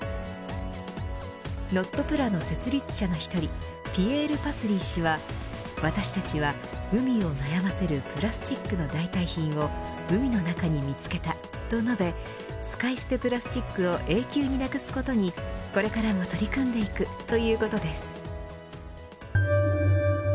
Ｎｏｔｐｌａの設立者の１人ピエール・パスリー氏は私たちは海を悩ませるプラスチックの代替品を海の中に見つけた、と述べ使い捨てプラスチックを永久になくすことにこれからも取り組んでいくということです。